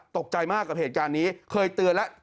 ตกใจมากกับเหตุการณ์นี้เคยเตือนแล้ว